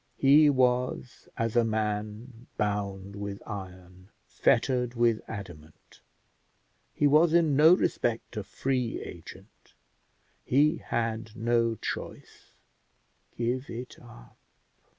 He was as a man bound with iron, fettered with adamant: he was in no respect a free agent; he had no choice. "Give it up!"